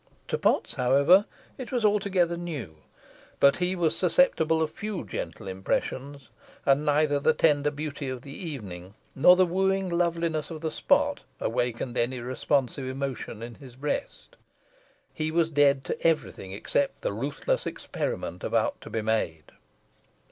To Potts, however, it was altogether new; but he was susceptible of few gentle impressions, and neither the tender beauty of the evening, nor the wooing loveliness of the spot, awakened any responsive emotion in his breast. He was dead to every thing except the ruthless experiment about to be made.